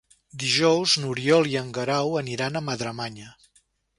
Dijous n'Oriol i en Guerau aniran a Madremanya.